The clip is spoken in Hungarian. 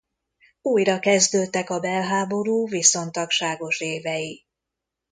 Újra kezdődtek a belháború viszontagságos évei.